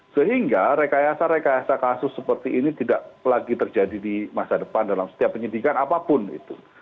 sehingga rekayasa rekayasa kasus seperti ini tidak lagi terjadi di masa depan dalam setiap penyidikan apapun itu